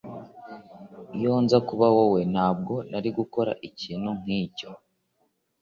Iyo nza kuba wowe, ntabwo nari gukora ikintu nkicyo.